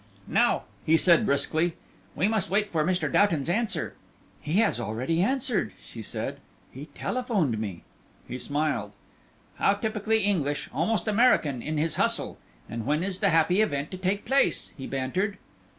"Now," he said, briskly, "we must wait for Mr. Doughton's answer." "He has already answered," she said; "he telephoned me." He smiled. "How typically English, almost American, in his hustle; and when is the happy event to take place?" he bantered.